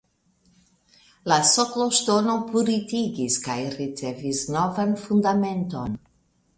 La sokloŝtono purigitis kaj ricevis novan fundamenton.